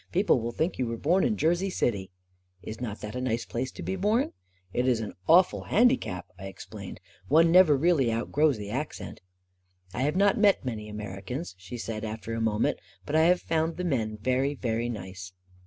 People will think you were born in Jersey City I "" Is not that a nice place to be bora? "" It's an awful handicap/' I explained " One never really outgrows the accent." " I have not met many Americans, " she said, after a moment " But I have found the men very, very nice."